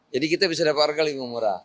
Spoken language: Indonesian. jadi kita bisa dapat harga lebih murah